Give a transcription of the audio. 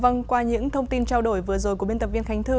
vâng qua những thông tin trao đổi vừa rồi của biên tập viên khánh thư